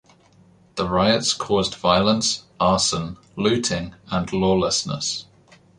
The riots caused violence, arson, looting and lawlessness.